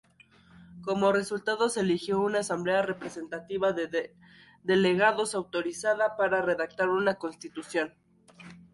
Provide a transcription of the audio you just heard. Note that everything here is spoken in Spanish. Como resultado se eligió una asamblea representativa de delegados, autorizada para redactar una constitución.